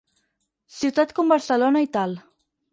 Ciutat com Barcelona i tal.